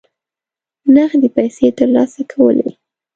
نغدي پیسې ترلاسه کولې.